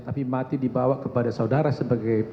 tapi mati dibawa kepada saudara sebagai